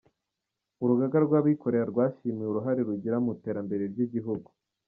Urugaga rw’abikorera rwashimiwe uruhare rugira mu iterambere ry’igihugu.